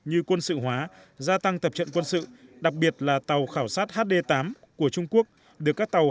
như quân sự hóa gia tăng tập trận quân sự đặc biệt là tàu khảo sát hd tám của trung quốc được các tàu